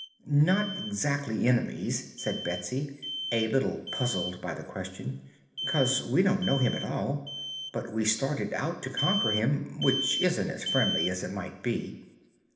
"Not exac'ly enemies," said Betsy, a little puzzled by the question, "'cause we don't know him at all; but we started out to conquer him, which isn't as friendly as it might be."